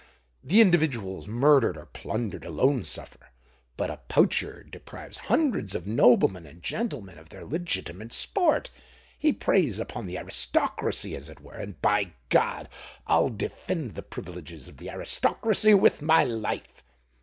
The individuals murdered or plundered alone suffer. But a poacher deprives hundreds of noblemen and gentlemen of their legitimate sport: he preys upon the aristocracy, as it were;—and, by God! I'll defend the privileges of the aristocracy with my life!"